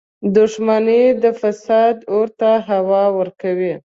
• دښمني د فساد اور ته هوا ورکوي.